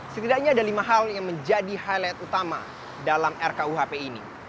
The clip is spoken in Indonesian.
setidaknya ada lima hal yang menjadi highlight utama dalam rkuhp ini